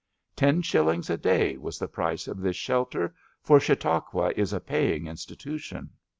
Ten shillings a day was the price of this shelter, for Chautauqua is a paying institution.